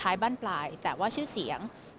แต่เสียหายไปถึงบุคคลที่ไม่เกี่ยวข้องด้วย